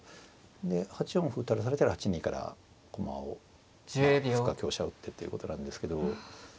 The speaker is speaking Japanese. で８四歩垂らされたら８二から駒をまあ打つか香車を打ってということなんですけど。